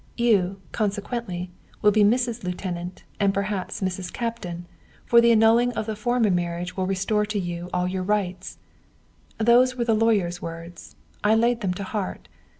You, consequently, will be Mrs. Lieutenant, and perhaps Mrs. Captain, for the annulling of the former marriage will restore to you all your rights.' "Those were the lawyer's words. I laid them to heart.